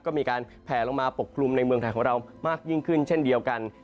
ก็มีการแผลลงมาปกคลุมในเมืองไทยของเรามากยิ่งขึ้นเช่นเดียวกัน